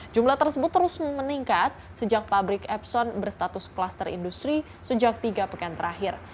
jumlah tersebut terus meningkat sejak pabrik epson berstatus kluster industri sejak tiga pekan terakhir